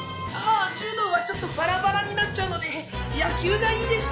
あ柔道はちょっとバラバラになっちゃうので野球がいいです。